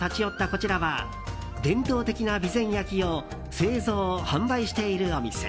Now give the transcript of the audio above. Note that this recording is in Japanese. こちらは伝統的な備前焼を製造・販売しているお店。